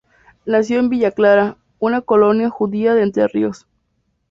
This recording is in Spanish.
Nació en Villa Clara, una colonia judía de Entre Ríos.